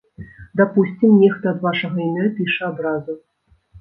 Дапусцім, нехта ад вашага імя піша абразу.